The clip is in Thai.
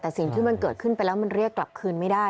แต่สิ่งที่มันเกิดขึ้นไปแล้วมันเรียกกลับคืนไม่ได้